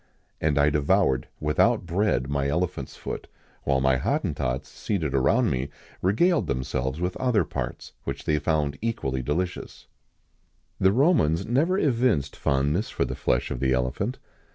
And I devoured, without bread, my elephant's foot, while my Hottentots, seated around me, regaled themselves with other parts, which they found equally delicious."[XIX 117] The Romans never evinced fondness for the flesh of the elephant.